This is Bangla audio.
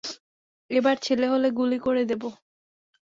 এবার ছেলে হলে গুলি করে দেবো!